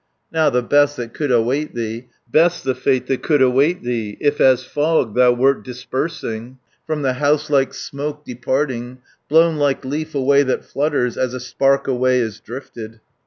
"Now the best that could await thee, Best the fate that could await thee, If as fog thou wert dispersing, From the house like smoke departing, Blown like leaf away that flutters, As a spark away is drifted.